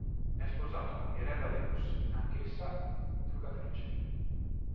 È sposato con Mirella De Rossi, anch'essa truccatrice.